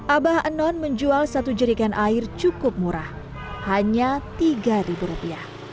abah anon menjual satu jerikan air cukup murah hanya tiga ribu rupiah